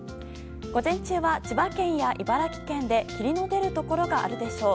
午前中は、千葉県や茨城県で霧の出るところがあるでしょう。